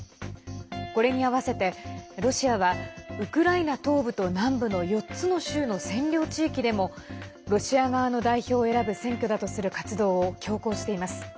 これにあわせてロシアはウクライナ東部と南部の４つの州の占領地域でもロシア側の代表を選ぶ選挙だとする活動を強行しています。